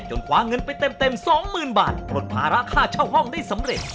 คว้าเงินไปเต็ม๒๐๐๐บาทปลดภาระค่าเช่าห้องได้สำเร็จ